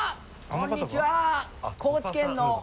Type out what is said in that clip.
こんにちは！